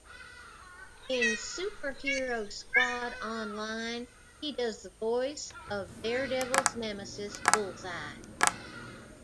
In "Super Hero Squad Online", he does the voice of Daredevil's nemesis Bullseye.